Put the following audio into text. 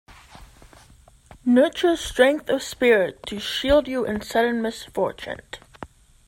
Nurture strength of spirit to shield you in sudden misfortune.